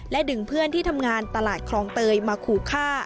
ดึงเพื่อนที่ทำงานตลาดคลองเตยมาขู่ฆ่า